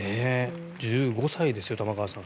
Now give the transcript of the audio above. １５歳ですよ玉川さん。